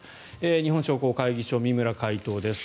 日本商工会議所三村会頭です。